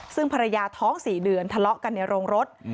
ซึ่งภรรยาท้อง๔เดือนทะเลาะกันในโรงรถ